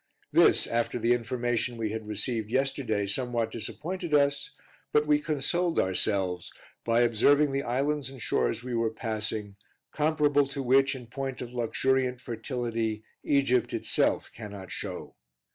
This, after the information we had received yesterday, somewhat disappointed us, but we consoled ourselves by observing the islands and shores we were passing, comparable to which, in point of luxuriant fertility, Egypt itself cannot show.